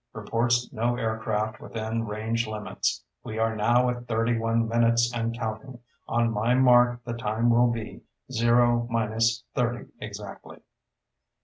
"... reports no aircraft within range limits. We are now at thirty one minutes and counting. On my mark the time will be zero minus thirty exactly."